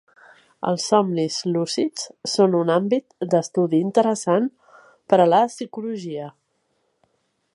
els somnis lúcids són un àmbit d'estudi interessant per a la psicologia